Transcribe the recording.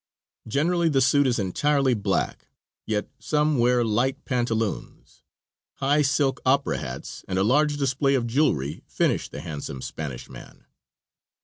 Generally the suit is entirely black, yet some wear light pantaloons. High silk opera hats and a large display of jewelry finish the handsome Spanish man.